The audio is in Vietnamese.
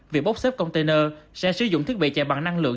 việc bốc xếp container sẽ sử dụng thiết bị chạy bằng năng lượng